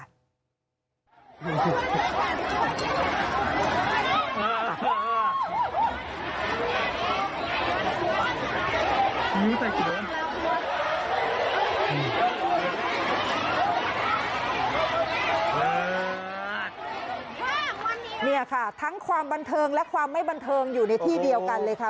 นี่ค่ะทั้งความบันเทิงและความไม่บันเทิงอยู่ในที่เดียวกันเลยค่ะ